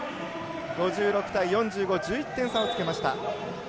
５６対４５１１点差をつけました。